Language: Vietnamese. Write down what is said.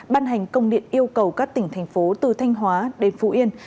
ban hành công điện yêu cầu các tỉnh thành phố từ thanh hóa đến phú yên